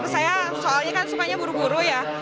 saya soalnya kan sukanya buru buru ya